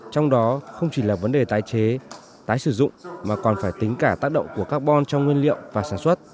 trong đó không chỉ là vấn đề tái chế tái sử dụng mà còn phải tính cả tác động của carbon trong nguyên liệu và sản xuất